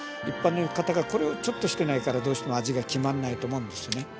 一般の方がこれをちょっとしてないからどうしても味がきまんないと思うんですよね。